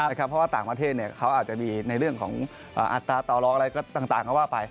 เพราะว่าต่างประเทศเขาอาจจะมีในเรื่องของอัตราต่อรองอะไรต่างก็ว่าไป